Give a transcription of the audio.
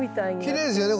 きれいですよね